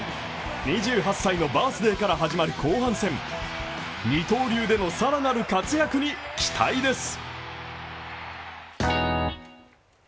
２８歳のバースデーから始まる後半戦二刀流での更なる活躍に期待です。